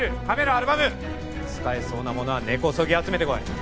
アルバム使えそうな物は根こそぎ集めてこい